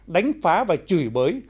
đánh phá và chửi bới